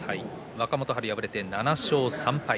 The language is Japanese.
若元春、敗れて７勝３敗。